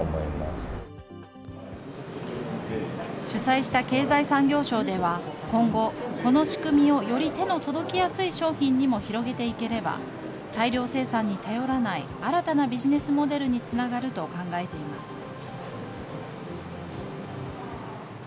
主催した経済産業省では、今後、この仕組みをより手の届きやすい商品にもつなげていければ、大量生産に頼らない、新たなビジネスモデルにつながると考えています。